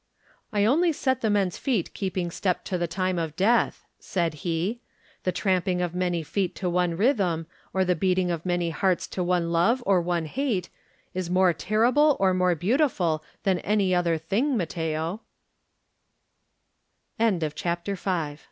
"I only set the men's feet keeping step to the time of Death," said he; "the tramping of many feet to one rhythm, or the beating of many hearts to one love or one hate, is more terrible or more beautiful than any